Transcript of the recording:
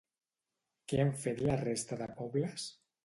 Què han fet la resta de pobles?